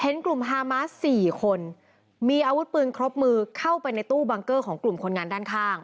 กลุ่มฮามาส๔คนมีอาวุธปืนครบมือเข้าไปในตู้บังเกอร์ของกลุ่มคนงานด้านข้าง